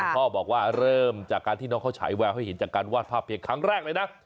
พ่อบอกว่าเริ่มจากการที่น้องเขาฉายแววให้เห็นจากการวาดภาพเพียงครั้งแรกเลยนะ